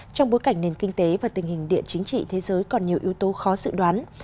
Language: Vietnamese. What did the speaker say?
trong bối cảnh nền kinh tế và tình hình địa chính trị thế giới còn nhiều yếu tố khó dự đoán